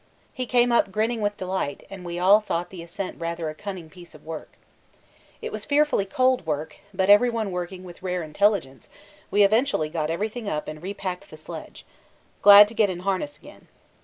He came up grinning with delight, and we all thought the ascent rather a cunning piece of work. It was fearfully cold work, but everyone working with rare intelligence, we eventually got everything up and repacked the sledge; glad to get in harness again.